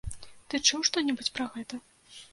Ты чуў што-небудзь пра гэта?